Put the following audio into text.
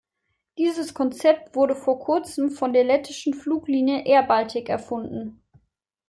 Dieses Konzept wurde vor kurzem von der lettischen Fluglinie airBaltic erfunden.